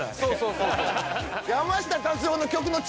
そう